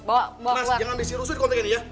mas jangan ambil si rusuh di kontek ini ya